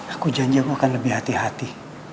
aku janji aku akan lebih hati hati